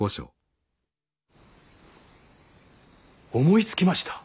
思いつきました。